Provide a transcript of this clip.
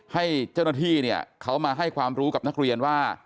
ให้เจ้าหน้าที่เนี่ยเขามาให้ความรู้กับนักเรียนว่า